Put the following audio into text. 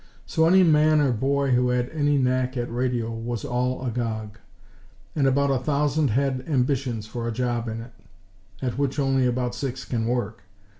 So any man or boy who had any knack at radio was all agog; and about a thousand had ambitions for a job in it, at which only about six can work.